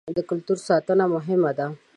د کلتور ساتنه مهمه ده.